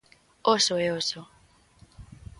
Óso e oso.